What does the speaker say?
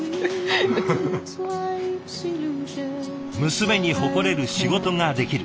娘に誇れる仕事ができる。